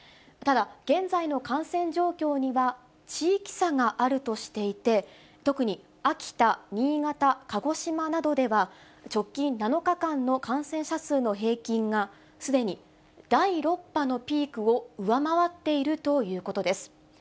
ただ、現在の感染状況には、地域差があるとしていて、特に秋田、新潟、鹿児島などでは、直近７日間の感染者数の平均がすでに第６波のピークを上回っているということです。